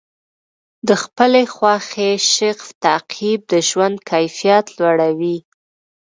د خپلې خوښې شغف تعقیب د ژوند کیفیت لوړوي.